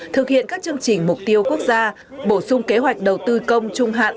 thực hiện các chương trình mục tiêu quốc gia bổ sung kế hoạch đầu tư công trung hạn